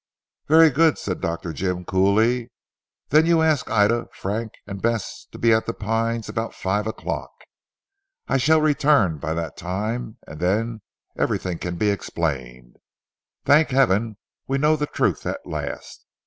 "Very good," said Dr. Jim coolly, "then you ask Ida, Frank, and Bess to be at 'The Pines' about five o'clock. I shall return by that time and then everything can be explained. Thank heaven we know the truth at last.